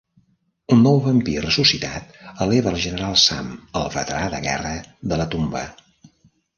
Un nou vampir ressuscitat eleva al General Sam, el veterà de guerra, de la tomba.